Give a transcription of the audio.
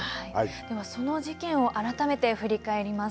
ではその事件を改めて振り返ります。